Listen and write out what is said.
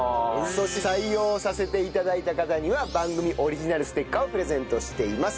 そして採用させて頂いた方には番組オリジナルステッカーをプレゼントしています。